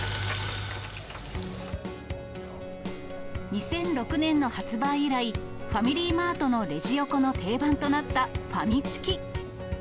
２００６年の発売以来、ファミリーマートのレジ横の定番となったファミチキ。